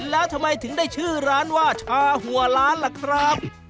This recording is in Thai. แล้วทำไมถึงได้ชื่อร้านว่าชาหัวล้านล่ะครับ